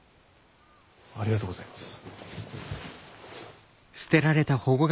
ありがとうございます。